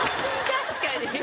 確かに。